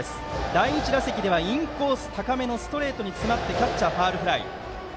第１打席ではインコース高めのストレートに詰まってキャッチャーファウルフライ。